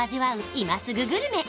今すぐグルメ！！